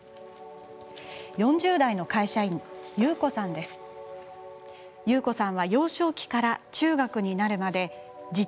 ４０代の会社員ユウコさんです。